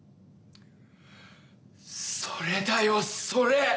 それだよそれ！